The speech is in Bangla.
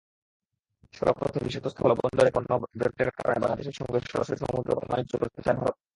সড়কপথে বিশেষত স্থলবন্দরে পণ্যজটের কারণে বাংলাদেশের সঙ্গে সরাসরি সমুদ্রপথে বাণিজ্য করতে চায় ভারত।